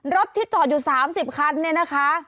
รถที่จอดอยู่๓๐คันเนี่ยนะคะ